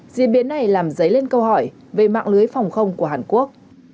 diễn biến này làm dấy lên câu hỏi về mạng lưới phòng không của hàn quốc